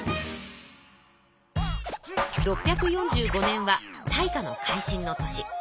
６４５年は大化の改新の年。